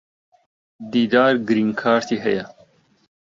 دیدار گرین کارتی ھەیە.